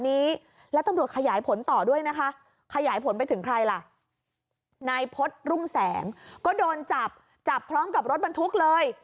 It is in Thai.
นายพจรุงแสงก็โดนจับจับพร้อมกับรถบรรทุกเลย